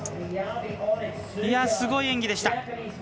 すごい演技でした。